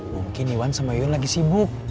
mungkin iwan sama iwan lagi sibuk